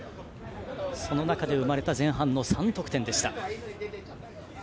その中で生まれた前半の３得点でした。